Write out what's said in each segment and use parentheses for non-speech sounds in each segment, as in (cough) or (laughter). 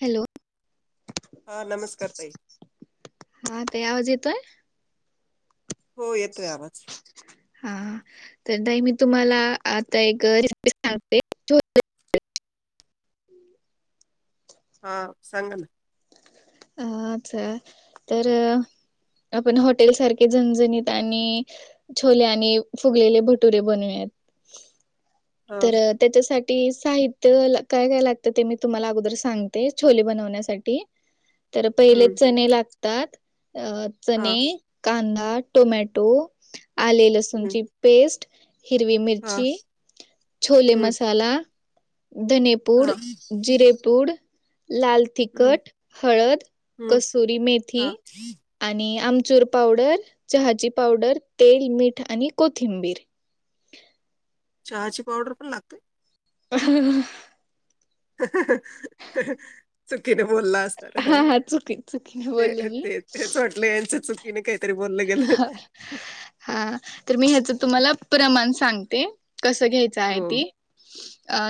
Hello, हा नमस्कार ताई, (inaudible) हा ताई आवाज येतोय? हो येतोय आवाज हा तर ताई मी तुम्हाला आता एक रेसिपी सांगते (unintelligible) हा सांगा ना? अस तर आपण हॉटेल सारखे झणझणीत आणि छोले आणि फुगलेले भटुरे बनवूयात हा तर त्याच्यासाठी साहित्य काय काय लागत ते मी तुम्हाला अगोदर सांगते छोले बनवण्यासाठी तर पहिले हम्म चणे लागतात अ हा चणे कांदा टोमॅटो आले हम्म लसूणची पेस्ट हिरवी हा मिरची छोले हम्म मसाला धणेपुड हा जिरेपूड लाल हम्म तिखट हळद हम्म कस्तुरी मेथी हा आणि आम चूर पावडर चहाची पावडर तेल मीठ आणि कोथिंबीर (inaudible) चहाची पावडर पण लागते ह ह.. ह.. ह.. चुकीने बोलला अस हा हा चुकी चुकीने बोलले ते मी. ते तेच वाटले यांच चुकीने काही हा तर मी ह्याचं तुम्हाला प्रमाण सांगते कसं घ्यायचं आहे हो ती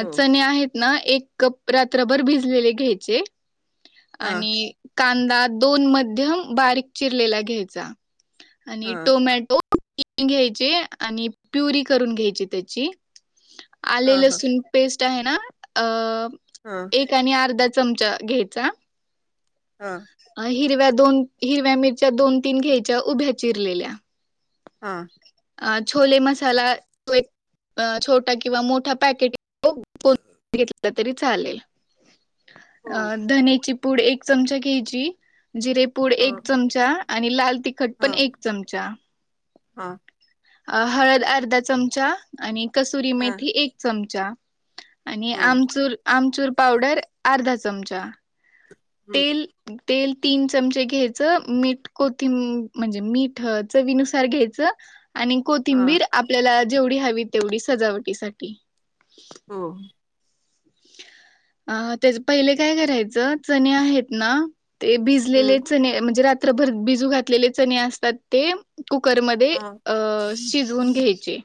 हो चणे आहेत ना एक कप रात्रभर भिजलेले घ्यायचे हा आणि कांदा दोन मध्यम बारीक चिरलेला घ्यायचा आणि हा टोमॅटो घ्यायचे आणि प्युरी करून घ्यायची त्याची आले हा हा लसून पेस्ट आहे ना अ हा एक आणि अर्धा चमचा घ्यायचा हा हिरव्या दोन हिरव्या मिरच्या दोन तीन घ्यायच्या उभ्या चिरलेल्या हा अ छोले मसाला तो एक छोटा किंवा मोठा पॅकेट घेतल तरी चालेल हो अ.. धनेची पुड एक चमचा घ्यायची जिरेपुड हा एक चमचा आणि लाल तिखट हा पण एक चमचा हा अ हळद अर्धा चमचा आणि कस्तुरी हा मेथी एक चमचा आणि हो आमचूर आमचूर पावडर अर्धा चमचा हम्म तेल तेल तीन चमचे घ्यायचं मीठ कोथिंब म्हणजे मीठ चवीनुसार घ्यायचं आणि हा कोथिंबीर आपल्याला जेवढी हवी तेवढी सजावटीसाठी हो अ त्याच पहिले काय करायचं चणे आहेत ना ते भिजलेले हम्म चणे म्हणजे रात्रभर भिजू घातलेले चणे असतात ते कुकरमध्ये हा अ शिजवून घ्यायचे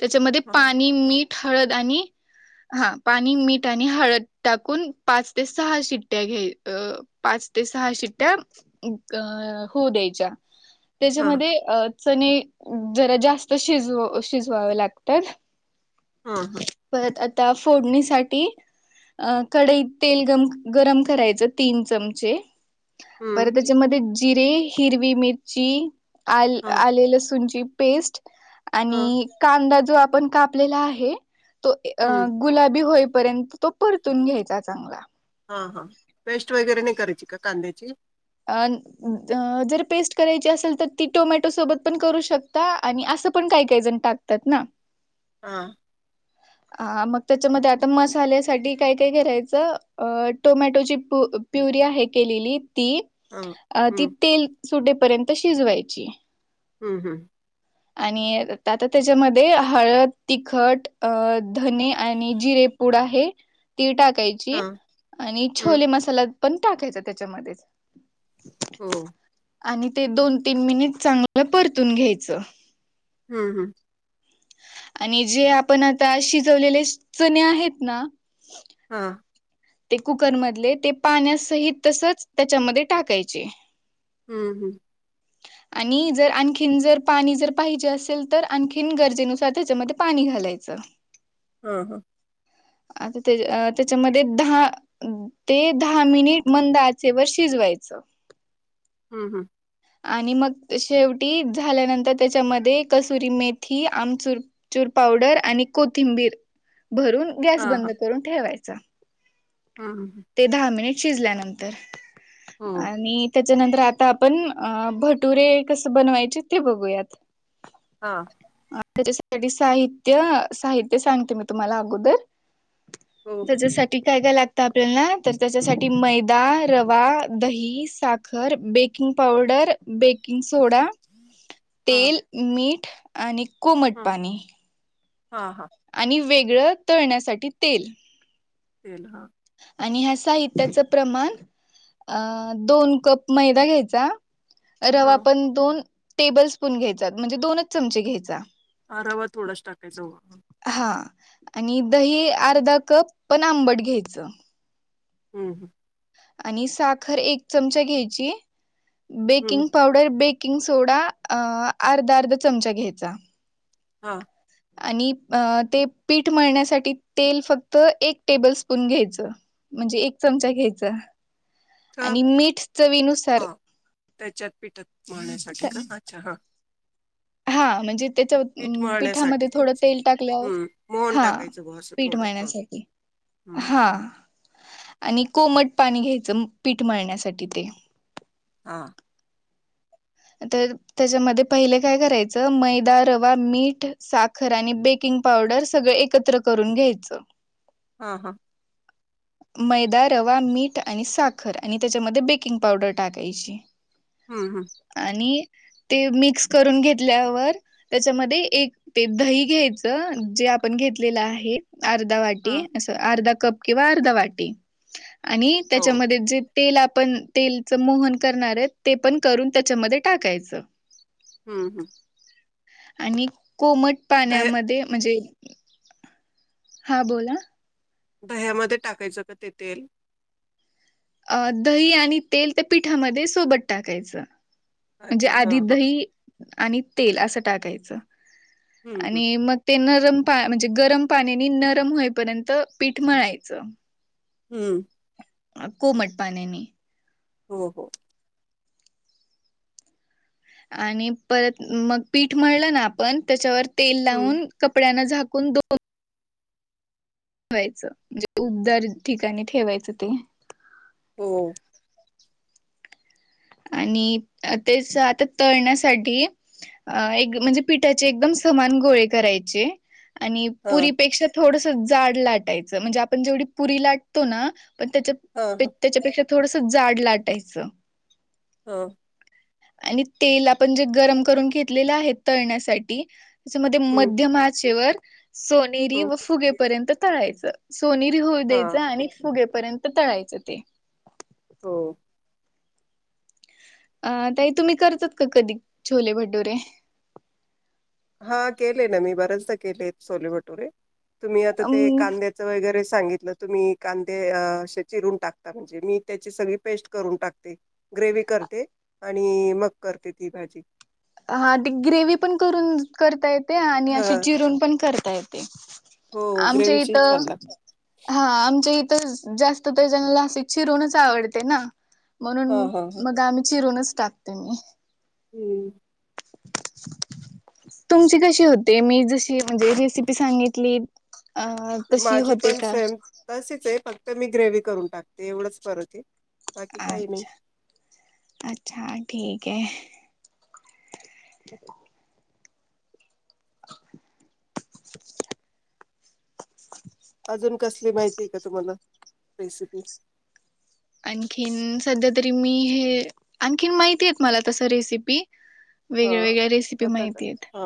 त्याच्यामध्ये हा पाणी मीठ. हळद आणि हा पाणी, मीठ आणि हळद टाकून पाच ते सहा शिट्ट्या घ्या अ पाच ते सहा शिट्ट्या अ होऊ द्यायच्या हा त्याच्यामध्ये अ जरा जास्त शिजवू शिजवाव लागतात. हा हा त्या फोडणीसाठी अ कडईत तेल गम गरम करायचं तीन चमचे बर हम्म, त्याच्यामध्ये जिरे हिरवी मिरची आलं हा, आल लंसुंची पेस्ट हा, आणि कांदा जो आपण कापलेला आहे तो अ हम्म, गुलाबी होईपर्यंत तो परतून घ्यायचा चांगला. हा हा पेस्ट वगैरे नाही करायची का कांद्याची अ जर पेस्ट करायची असेल तर ती टोमॅटो सोबत पण करू शकता आणि असं पण काही काहीण टाकतात ना हा ह (inaudible) ह मग त्याच्यामध्ये आता मसाल्यासाठी काय काय करायचं अ टोमॅटोची प प्युरी ती आहे केलेली ती हा, अ ती हम्म, तेल सुटपर्यंत शिजवाची हम्म हम्म. आणि आता त्याच्यामध्ये हळद तिखट अ धने आणि जिरे पूड आहे. ती हा, टाकायची आणि हम्म, छोले मसाला पण टाकायचा त्याच्यामध्ये हो. आणि ते दोन तीन मिनिट चांगलं परतून घ्यायचं ह्म्म ह्म्म आणि जे आपण आता शिजवलेले चणे (inaudible) आहेत ना हा. ते कुकर मधले ते पाण्यासहित तसच त्याच्यामध्ये टाकायचे हम्म हम्म. ब्लॅक (inaudible) आणि जर आणखीन जर पाणी जर पाहिजे असेल तर आणखीन गरजेनुसार त्याच्यामध्ये पाणी घालायचं ब्लँक हा हा. आ ते त्या त्याच्यामध्ये दहा ते दहा मिनिट मंद आचेवर शिजवायचं हम्म हम्म आणि मग शेवटी झाल्यानंतर त्याच्यामध्ये कसुरी मेथी आमचुर चुर पावडर आणि कोथिंबीर भरून हा, गॅस बंद हा, करून ठेवायचा. हम्म, हम्म, ते दहा मिनिट शिजल्यानंतर हो, आणि त्या त्याच्यानंतर आता आपण अ भटुरे कस बनवायचे ते बघूयात हा, त्याच्यासाठी (unintelligible) साहित्य साहित्य सांगते मी तुम्हाला अगोदर हो, हो, त्याच्यासाठी काय काय लागत. ल्या ना तर त्याच्यासाठी मैदा रवा दही साखर baking powder baking soda हा, तेल मीठ आणि कोमट हा, पाणी हा हा गळं तळण्यासाठी तेल तेल हा. आणि ह्या साहित्याचं प्रमाण अ दोन कप मैदा घ्यायचा रवा हा, आपण दोन टेबल स्पून घ्यायचात म्हणजे दोनच चमचे घ्यायचा. हा रवा थोडाच टाकायचा हो हा आणि दही अर्धा कप पण आंबट घ्यायचं. हम्म हम् आणि साखर एक चमचा घ्यायची हम्म, baking powder bake baking soda अर्धा अर्धा चमचा घ्यायचा. हा आणि ते पीठ मळण्यासाठी तेल फक्त एक टेबल स्पून घ्यायचं. म्हणजे एक चमचा घ्यायचा का आणि बरं? मीठ चवीनुसार हा त्याच्यात पिठात मळण्यासाठी का अच्छा हा हा म्हणजे त्याच्या पीठ पिठामध्ये मळण्यासाठी. थोडं तेल टाकल्यावर हम्म, मोहन हा टाकायचं बुवा असं पीठ थोडं. हं, मळण्यासाठी हं, हा आणि कोमट पाणी घ्यायचं पीठ मळण्यासाठी ते हा तर त्याच्यामध्ये पहिले काय करायचं मैदा रवा मीठ साखर आणि बेकिंग पावडर सगळ एकत्र करून घ्यायच. हा हा. (inaudible) मैदा, रवा, मीठ आणि साखर आणि त्याच्यामध्ये बेकिंग पावडर टाकायची. हम्म हम्. आणि ते मिक्स करून घेतल्यावर त्याच्यामध्ये एक ते दही घ्यायचं. जे आपण घेतलेलं आहे. अर्धा हा वाटी असं अर्धा कप किंवा अर्धा वाटी आणि हो त्याच्यामध्ये जे तेल आपण तेलच मोहन करणार आहे ते पण करून त्याच्यामध्ये टाकायचं. हम्म हम्म. आणि कोमट दह्या पाण्यामध्ये म्हणजे हा बोला. दह्यामध्ये टाकायच का ते तेल? अ दही आणि तेल त्या पिठामध्ये सोबत टाकायचं. म्हणजे अच्छा हा आधी हा दही आणि तेल असं टाकायचं. हम्म हम्म आणि मग ते न रम म्हणजे गरम पाण्यानी नरम होईपर्यंत पीठ मळायचं. हम्म. अ कोमट पाण्याने. हो हो. आणि परत मग पीठ म्हलं ना आपण त्याच्यावर तेल हम्म लावून कपड्या झा कुंन दोन ठेवायचं म्हणजे उबदार ठिकाणी ठेवायचं ते. हो आणि तेच आता तळण्यासाठी अ एक म्हणजे पिठाचे एकदम समान गोळे करायचे. आणि हा पुरीपेक्षा थोडस जाड लाटायचं म्हणजे आपण जेवढी पुरी लाटतो ना पण त्याच्या हा हा त्याच्यापेक्षा थोडस जाड लाटायचं. हा. आणि तेल आपण जे गरम करून घेतलेलं आहे तळण्यासाठी. त्याच्यामध्ये हम्म मध्यम आचेवर सोनेरी हम्म व फुगेपर्यंत तळायचं. सोनेरी होऊ हा द्यायच आणि फुगेपर्यंत तळायचं ते. हो. अं ताई तुम्ही करतात का कधी छोले भटुरे? हा केले ना मी बरेचदा केले सोले बटुरे तुम्ही आता ते अम कांद्याच वगैरे सांगितलं तुम्ही कांदेे चिरून टाकता म्हणजे मी त्याची सगळी पेस्ट करून टाकते. ग्रेवी करते, आणि मग करते ती भाजी. हा ते ग्रेवी पण करून करता येते आणि हा असे चिरून पण करता येते. हो आमच्या इथ ग्रेवीची छान लागते हा आमच्या इ थ जास्त तर जनाला अशी चिरूनच आवडते ना. म्हणून हा हा ह मग आम्ही चिरूनच टाकते मी. हम्म. (inaudible) तुमची कशी होते मी जशी म्हणजे रेसिपी सांगितली. अ तर तशी माझी होते पण का? सेम तशीच आहे फक्त मी ग्रेवी करून टाकते एवढंच फरक आहे. बाकी काही नाही अच्छा अच्छा ठीक आहे. (inaudible) (inaudible) अजून कसली माहिती आहे का तुम्हाला रेसिपी? आणखीन सध्या तरी मी हे आणखीन माहितीय मला तस रेसिपी. हा वेगळ्या वेगळ्या रेसिपी आता माहिती आहे. हा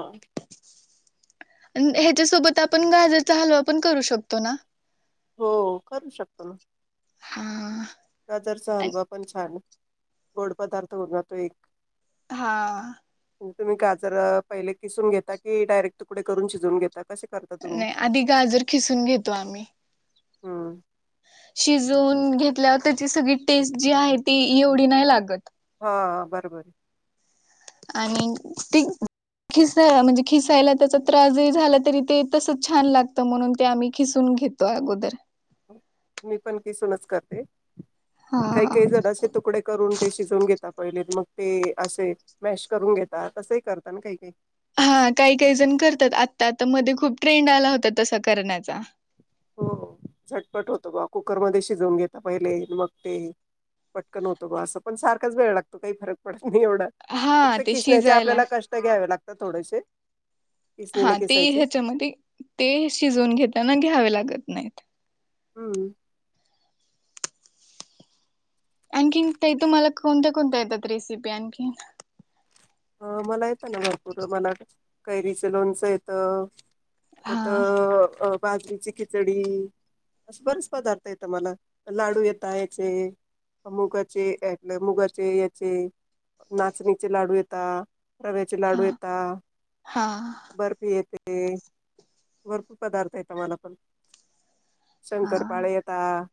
न हे त्यासोबत आपण गाजरचा हलवा पण करू शकतो ना. हो करू शकतो ना. हा. गाजरचा हलवा पण छान गोड पदार्थ होऊन जातो एक. हा. मग तुम्ही गाजर पहिल किसून घेता की डायरेक्ट तुकडे करून शिजवून घेता. कसे करता तुम्ही नाही आधी गाजर किसून घेतो आम्ही. हम्म शिजवून घेतल्यावर त्याची सगळी टेस्ट जी आहे ती एवढी नाही लागत. हा बरोबर. (inaudible) आणि ती किसायला म्हणजे किसायला त्याचा त्रास जो झाला तरी ते तसच छान लागतं म्हणून ते आम्ही किसून घेतोय अगोदर. आहे मी पण किसूनच करते. काही हा काही जन असे तुकडे करून ते शिजवून घेता पहिले मग ते असे मॅश करून घेता तसही करतात ना काही काही. हा काही, काही जन करतात आता, आता मध्ये खूप ट्रेंड आला होता तसा करण्याचा. हो झटपट होतो बा कुकर मध्ये शिजवून घेता पहिले मग ते पटकन होतं बा असं पण सारखाच वेळ लागतो काही फरक पडत एवढं हा फक्त ते किसण्याचे शिजायला आपल्याला कष्ट घ्यावे लागतात थोडेसे. किसणीने हा ते किसायचे ह्याच्यामध्ये ते शिजून घेताना घ्यावे लागत नाहीत. हम. (inaudible) आणखीन ते तुम्हाला कोणत्या कोणत्या येतात रेसिपी आणखीन अ मला येतं ना भरपूर मला कैरीच लोणच येतं. परत हा बाजरीची खिचडी अस बरेच पदार्थ येत मला लाडू येता याचे मुगाचे, ये मुगाचे याचे, नाचणीचे लाडू येता ता रव्याचे हा लाडू येता. हा बर्फी ये ते भरपूर पदार्थ येता मला पण. हा शंकरपाळे येता (inaudible)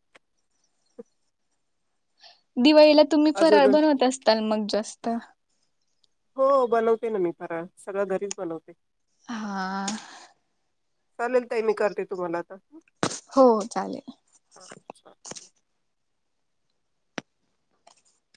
दिवाळीला तुम्ही फराळ अजून बनवत असताल मग जास्त. हो बनवते ना मी फराळ सगळ घरीच बनवते. हा. (inaudible) चालेल ताई मी करते तुम्हाला आता. हो चालेल. (inaudible)